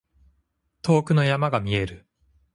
遠くの山が見える。